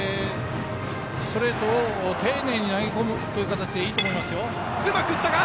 ストレートを丁寧に投げ込むという形でいいと思いますよ。